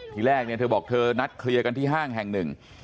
ทีแรกเนี่ยเธอบอกเธอนัดเคลียร์กันที่ห้างแห่งหนึ่ง